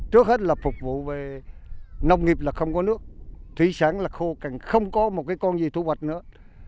trước hết là phục vụ về nông nghiệp là không có nước thủy sản là khô cạn không có một con gì thủ vật nữa